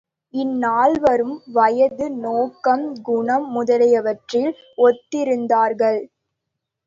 இந்நால்வரும் வயது, நோக்கம், குணம் முதலியவற்றில் ஒத்திருந்தார்கள்.